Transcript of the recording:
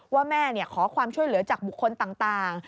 ว่าแม่ขอความช่วยเหลือจากบุคคลต่าง